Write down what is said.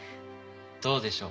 どうでしょう。